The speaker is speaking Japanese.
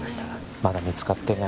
まだ見つかっていない